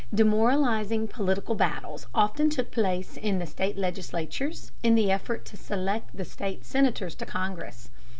Demoralizing political battles often took place in the state legislatures in the effort to select the states' Senators to Congress.